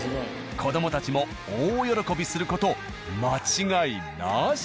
子どもたちも大喜びする事間違いなし。